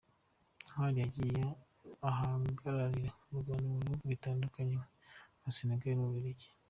Ntwari yagiye ahagararira u Rwanda mu bihugu bitandukanye nka Senegal n’u Bubiligi.